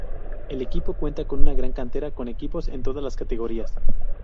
El equipo cuenta con una gran cantera, con equipos en todas las categorías.